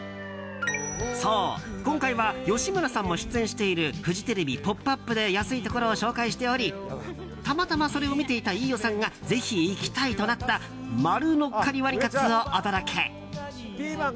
そう、今回は吉村さんも出演しているフジテレビ「ポップＵＰ！」で安いところを紹介しておりたまたまそれを見ていた飯尾さんがぜひ行きたいとなった丸乗っかりワリカツをお届け。